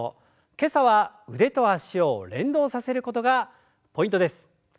今朝は腕と脚を連動させることがポイントです。